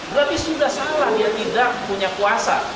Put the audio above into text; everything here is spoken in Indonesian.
berarti sudah salah dia tidak punya kuasa